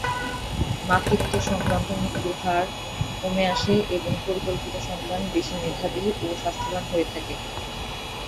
মাতৃত্ব সংক্রান্ত মৃত্যুর হার কমে আসে এবং পরিকল্পিত সন্তান বেশি মেধাবী ও স্বাস্থ্যবান হয়ে থাকে।